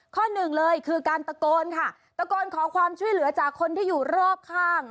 หนึ่งเลยคือการตะโกนค่ะตะโกนขอความช่วยเหลือจากคนที่อยู่รอบข้าง